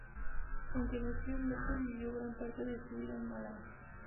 Aunque nació en Lepe vivió gran parte de su vida en Málaga.